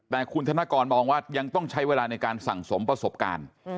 แต่คุณธนกรมองว่ายังต้องใช้เวลาในการสั่งสมประสบการณ์